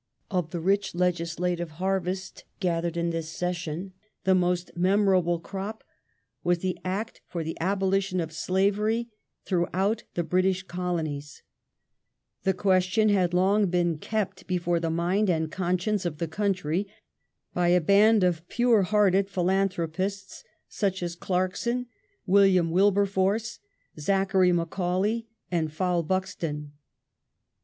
Of the rich legislative ^b°l^*^°" harvest gathered in this session the most memorable crop was the Act for the " abolition of slavery throughout the British Colonies ". The question had long been kept before the mind and conscience of the country by a band of pure hearted philanthropists, such as Clarkson, William Wilberforce, Zachary Macaulay, and Fowell Buxton.